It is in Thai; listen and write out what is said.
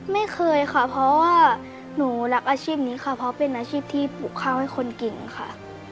ไม่เคยค่ะเพราะว่าหนูรักอาชีพนี้ค่ะเพราะเป็นอาชีพที่ปลูกข้าวให้คนเก่งค่ะ